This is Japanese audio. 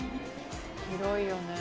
「広いよね」